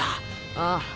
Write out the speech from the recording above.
ああ。